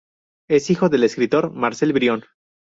Es hijo del escritor Marcel Brion.